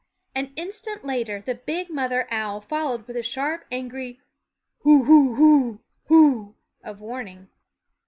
An instant later the big mother owl followed with a sharp, angry hoo hoo hoo hoo ! of warning.